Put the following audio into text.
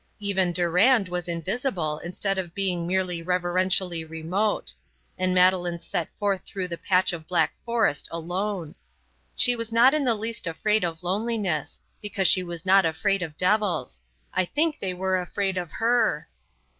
Even Durand was invisible instead of being merely reverentially remote; and Madeleine set forth through the patch of black forest alone. She was not in the least afraid of loneliness, because she was not afraid of devils. I think they were afraid of her.